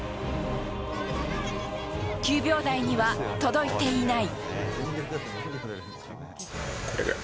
９秒台には届いていない。